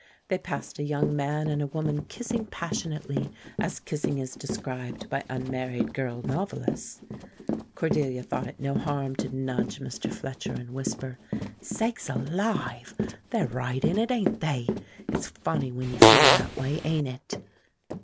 They passed a young man and a woman kissing passionately, as kissing is described by unmarried girl novelists. Cordelia thought it no harm to nudge Mr. Fletcher and whisper: "Sakes alive! They're right in it, ain't they. 'It's funny when you feel that way,' ain't it?"